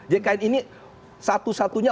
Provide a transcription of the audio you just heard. jkn ini satu satunya